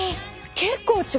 結構違う。